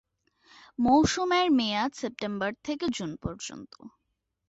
মৌসুমের মেয়াদ সেপ্টেম্বর থেকে জুন পর্যন্ত।